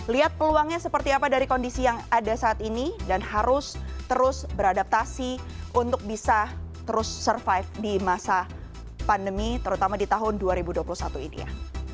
lihat peluangnya seperti apa dari kondisi yang ada saat ini dan harus terus beradaptasi untuk bisa terus survive di masa pandemi terutama di tahun dua ribu dua puluh satu ini ya